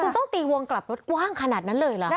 คุณต้องตีวงกลับรถกว้างขนาดนั้นเลยเหรอ